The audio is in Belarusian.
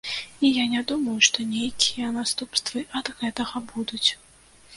І я не думаю, што нейкія наступствы ад гэтага будуць.